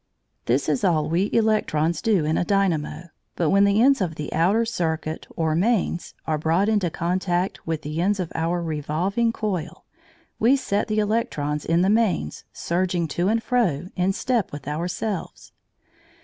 ] This is all we electrons do in a dynamo, but when the ends of the outer circuit or mains are brought into contact with the ends of our revolving coil, we set the electrons in the mains surging to and fro in step with ourselves.